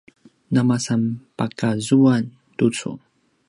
namasanpakazuan tucu